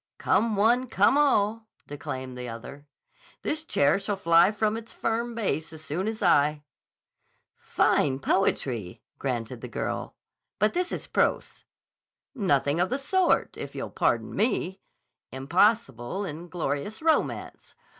"Come one, come all," declaimed the other; "this chair shall fly from its firm base as soon as I." "Fine poetry," granted the girl. "But this is prose." "Nothing of the sort, if you'll pardon me. Impossible and glorious romance.